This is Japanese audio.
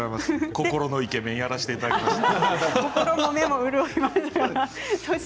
心のイケメンやらせていただきました。